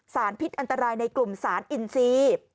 สารพิษอันตรายในกลุ่มสารอินซี